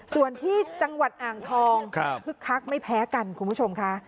ส่วนที่จังหวัดอ่างทองคึกคักไม่แพ้กันคุณผู้ชมค่ะ